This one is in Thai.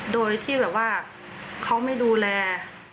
โดยที่แบบว่าเขาไม่ดูแล